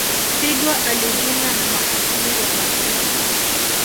Figo alijunga na mahasimu wa Barcelona